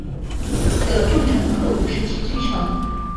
的重臣鹤谷氏之居城。